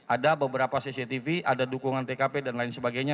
ada beberapa cctv ada dukungan tkp dan lain sebagainya